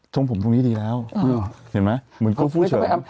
ทรงผมตรงนี้ดีแล้วเห็นไหม